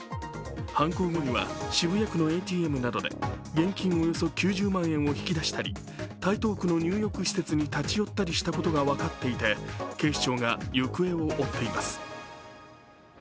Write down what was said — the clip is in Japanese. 犯行後には渋谷区のＡＴＭなどで現金およそ９０万円を引き出したり、台東区の入浴施設に立ち寄ったりしたことが分かっていて、警視庁が行方を追っています。